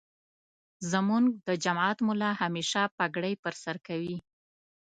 زمونږ دجماعت ملا همیشه پګړی پرسرکوی.